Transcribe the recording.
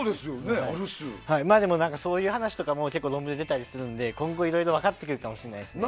でも、そういう話とかも論文で出たりするので今後、いろいろ分かってくるかもしれないですね。